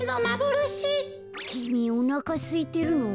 きみおなかすいてるの？